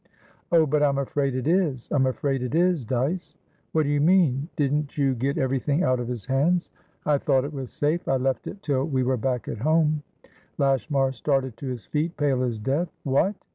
"Oh but I'm afraid it isI'm afraid it is, Dyce" "What do you mean? Didn't you get everything out of his hands?" "I thought it was safeI left it till we were back at home" Lashmar started to his feet, pale as death. "What?